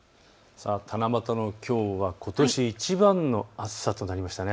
七夕のきょうはことしいちばんの暑さとなりましたね。